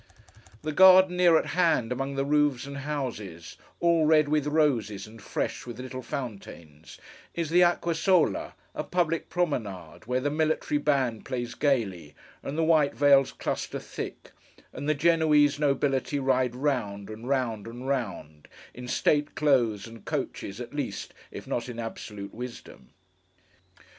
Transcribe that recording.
The garden near at hand, among the roofs and houses: all red with roses and fresh with little fountains: is the Acqua Sola—a public promenade, where the military band plays gaily, and the white veils cluster thick, and the Genoese nobility ride round, and round, and round, in state clothes and coaches at least, if not in absolute wisdom.